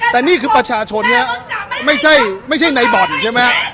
แต่นี่คือประชาชนเนี้ยไม่ใช่ไม่ใช่ไหนบ่อนใช่ไหม